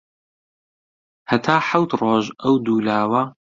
هەتا حەوت ڕۆژ ئەو دوو لاوە